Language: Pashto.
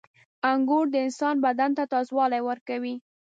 • انګور د انسان بدن ته تازهوالی ورکوي.